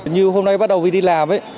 như hôm nay bắt đầu vi đi làm